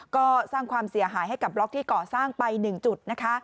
ก็สร้างความเสียหายให้กับบล็อกที่ก่อสร้างไป๑จุดนะคะ